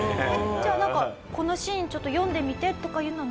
じゃあなんかこのシーンちょっと読んでみてとかいうのは。